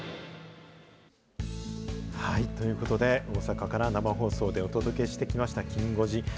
ということで、大阪から生放送でお届けしてきました、きん５時。